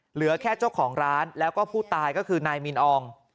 เหลือแค่เจ้าของร้านแล้วก็ผู้ตายก็คือนายมินออง